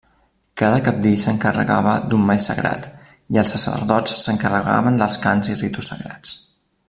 Cada cabdill s'encarregava d'un mall sagrat, i els sacerdots s'encarregaven dels cants i ritus sagrats.